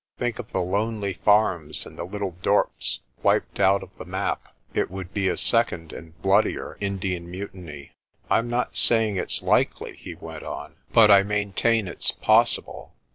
Think of the lonely farms and the little dorps wiped out of the map. It would be a second and bloodier Indian Mutiny. "Pm not saying it's likely," he went on, "but I main tain it's possible.